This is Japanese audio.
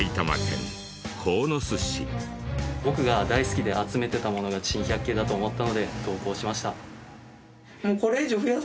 僕が大好きで集めてたものが珍百景だと思ったので投稿しました。